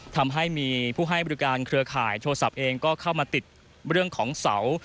ทำให้มีผู้ให้บริการเครือข่ายโทรศัพท์เองก็เข้ามาติดเรื่องของเสา